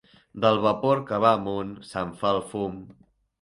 Del vapor que va amunt se'n fa el fum.